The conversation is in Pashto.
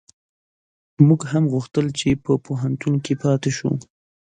موږ هم غوښتل چي په پوهنتون کي پاته شو